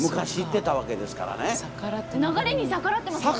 流れに逆らってますもんね。